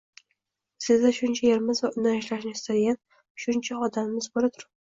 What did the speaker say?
biz esa shuncha yerimiz va unda ishlashni istaydigan shuncha odamimiz bo‘la turib